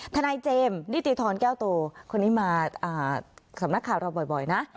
ทนายเจมส์นิติธรแก้วโตคนนี้มาสำนักข่าวเราบ่อยนะ